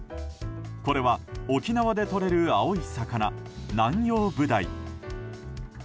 これは、沖縄でとれる青い魚ナンヨウブダイ。